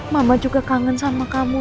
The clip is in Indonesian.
mama juga kangen sama kamu